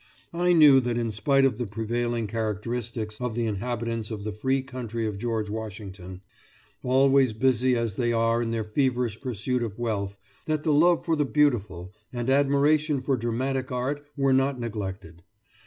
I knew that in spite of the prevailing characteristics of the inhabitants of the free country of George Washington, always busy as they are in their feverish pursuit of wealth, that the love for the beautiful and admiration for dramatic art were not neglected.